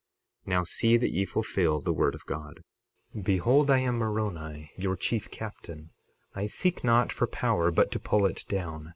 Now see that ye fulfil the word of God. 60:36 Behold, I am Moroni, your chief captain. I seek not for power, but to pull it down.